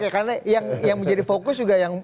karena yang menjadi fokus